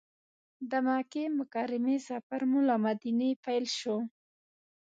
د مکې مکرمې سفر مو له مدینې پیل شو.